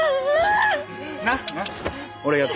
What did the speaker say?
なっ？